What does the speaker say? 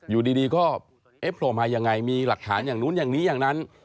อยู่ดีก็เอ๊ะโผล่มายังไงมีหลักฐานอย่างนู้นอย่างนี้อย่างนั้น